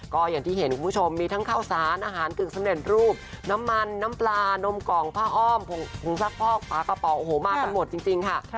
ก็อย่างที่เห็นคุณผู้ชมมีทั้งข้าวสารอาหารกึ่งสำเร็จรูปน้ำมันน้ำปลานมกล่องผ้าอ้อมผงซักพอกฝากระเป๋าโอ้โหมากันหมดจริงค่ะ